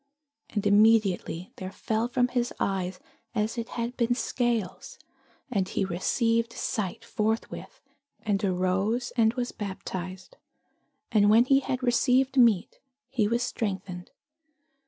And immediately there fell from his eyes as it had been scales: and he received sight forthwith, and arose, and was baptized. And when he had received meat, he was strengthened.